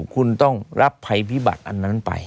คุณต้องรับภัยพิบัติอันนั้นไป